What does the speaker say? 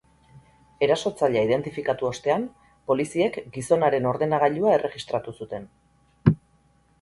Erasotzailea identifikatu ostean, poliziek gizonaren ordenagailua erregistratu zuten.